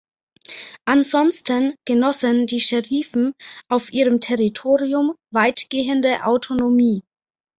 Ansonsten genossen die Scherifen auf ihrem Territorium weitgehende Autonomie.